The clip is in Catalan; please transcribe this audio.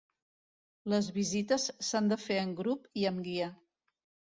Les visites s'han de fer en grup i amb guia.